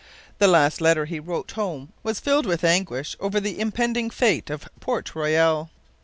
The last letter he wrote home was filled with anguish over the impending fate of Port Royal.